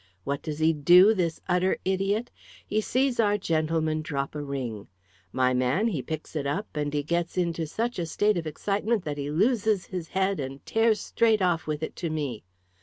What does he do, this utter idiot? He sees our gentleman drop a ring. My man, he picks it up, and he gets into such a state of excitement that he loses his head and tears straight off with it to me.